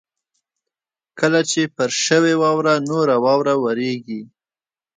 کله چې پر شوې واوره نوره واوره ورېږي